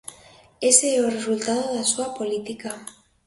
Ese é o resultado da súa política.